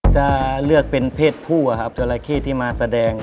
จะเลือกเป็นเพศผู้ครับจราเข้ที่มาแสดง